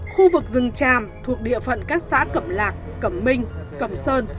khu vực rừng tràm thuộc địa phận các xã cẩm lạc cẩm minh cẩm sơn